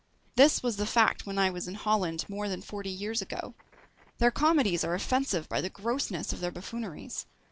This was the fact when I was in Holland more than forty years ago. Their comedies are offensive by the grossness of their buffooneries.